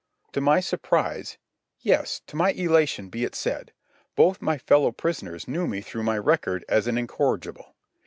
To my surprise—yes, to my elation be it said—both my fellow prisoners knew me through my record as an incorrigible.